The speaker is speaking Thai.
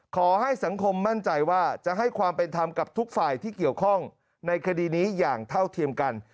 ขอให้สังคมมั่นใจว่าจะให้ความเป็นธรรมกับทุกฝ่ายที่เกี่ยวข้องในคดีนี้อย่างเท่าเทียมกัน